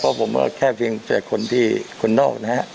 เพราะผมก็แค่เพียงใจคนที่คนนอกนะครับ